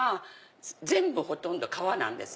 全部ほとんど革なんです。